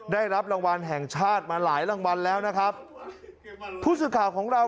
ได้รับรางวัลแห่งชาติมาหลายรางวัลแล้วนะครับผู้สื่อข่าวของเรา